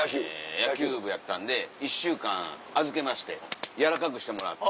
野球部やったんで１週間預けまして柔らかくしてもらって。